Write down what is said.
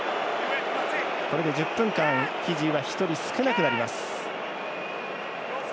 これで１０分間、フィジーは１人少なくなります。